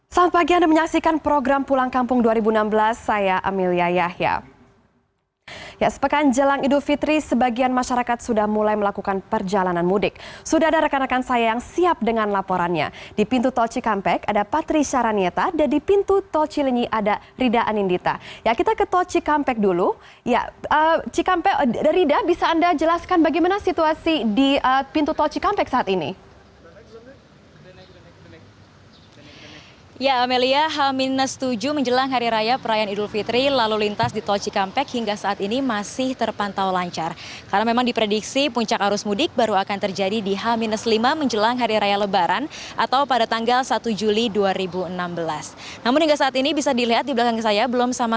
selamat pagi anda menyaksikan program pulang kampung dua ribu enam belas saya amelia yahya